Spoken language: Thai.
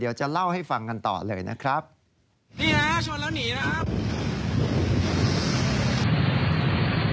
ไล่ชนเข้าไปทั่ว๓๔คันเลยครับผม